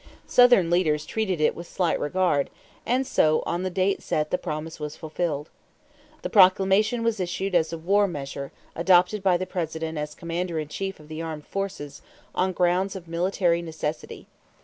Southern leaders treated it with slight regard, and so on the date set the promise was fulfilled. The proclamation was issued as a war measure, adopted by the President as commander in chief of the armed forces, on grounds of military necessity.